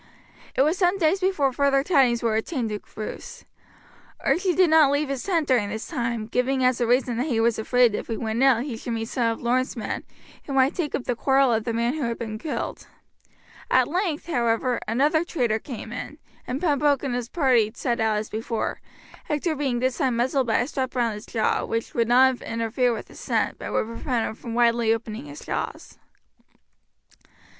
It was some days before further tidings were obtained of Bruce. Archie did not leave his tent during this time, giving as a reason that he was afraid if he went out he should meet some of Lorne's men, who might take up the quarrel of the man who had been killed. At length, however, another traitor came in, and Pembroke and his party set out as before, Hector being this time muzzled by a strap round his jaw, which would not interfere with his scent, but would prevent him from widely opening his jaws.